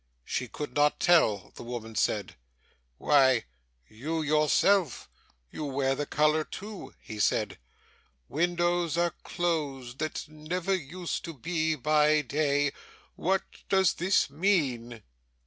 She could not tell, the woman said. 'Why, you yourself you wear the colour too?' he said. 'Windows are closed that never used to be by day. What does this mean?